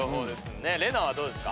レナはどうですか？